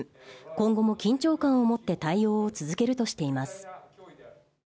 今後も緊張感を持って対応を続けるとしています